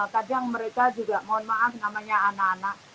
kadang mereka juga mohon maaf namanya anak anak